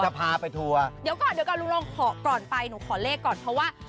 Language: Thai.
จะพาไปทัวร์เดี๋ยวก่อนลุงลงขอก่อนไปหนูขอเลขก่อนเพราะว่า